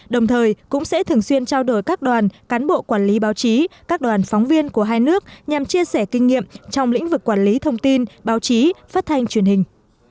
đồng thời cũng sẽ thường xuyên trao đổi các đoàn cán bộ quản lý báo chí các đoàn phóng viên của hai nước nhằm chia sẻ kinh nghiệm trong lĩnh vực quản lý thông tin báo chí phát thanh truyền hình